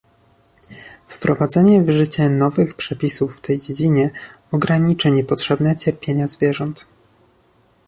Wprowadzenie w życie nowych przepisów w tej dziedzinie ograniczy niepotrzebne cierpienia zwierząt